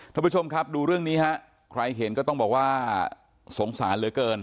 ท่านผู้ชมครับดูเรื่องนี้ฮะใครเห็นก็ต้องบอกว่าสงสารเหลือเกิน